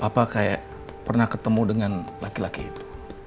apa kayak pernah ketemu dengan laki laki itu